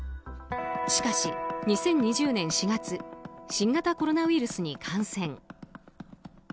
しかし、２０２０年４月新型コロナウイルスに感染。